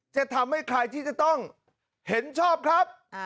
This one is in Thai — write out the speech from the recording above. จะทำให้ใครที่จะต้องเห็นชอบครับ